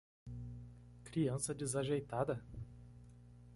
Criança desajeitada?